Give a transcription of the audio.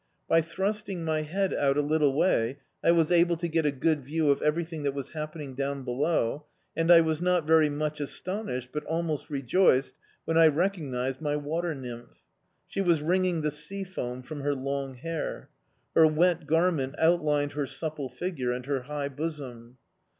By thrusting my head out a little way I was able to get a good view of everything that was happening down below, and I was not very much astonished, but almost rejoiced, when I recognised my water nymph. She was wringing the seafoam from her long hair. Her wet garment outlined her supple figure and her high bosom.